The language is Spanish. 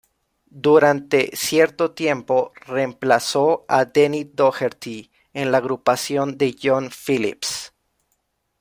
Durante cierto tiempo reemplazó a Denny Doherty en la agrupación de John Phillips.